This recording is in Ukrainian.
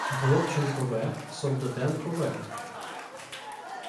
Головченко В., Солдатенко В.